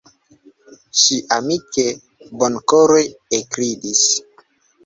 Ŝi amike, bonkore ekridis.